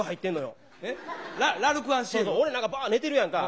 俺なんかバーッ寝てるやんか。